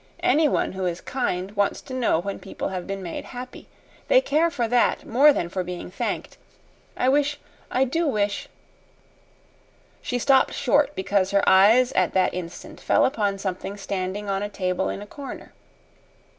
Anyone who is kind wants to know when people have been made happy. They care for that more than for being thanked. I wish I do wish " She stopped short because her eyes at that instant fell upon something standing on a table in a corner.